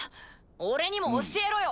俺にも教えろよ！